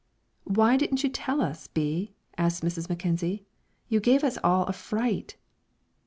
"Why didn't you tell us, Bee?" asked Mrs. Mackenzie. "You gave us all a fright."